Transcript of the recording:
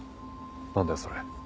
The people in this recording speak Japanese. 何だよそれ。